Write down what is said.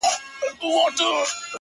څوک انتظار کړي. ستا د حُسن تر لمبې پوري.